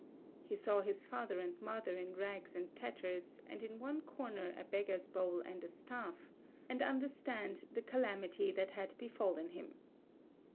He saw his father and mother in rags and tatters, and in one corner a beggar's bowl and a staff, and understood the calamity that had befallen him.